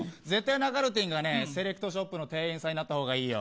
なかるてぃんがセレクトショップの店員さんになった方がいいよ。